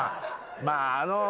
まああのう。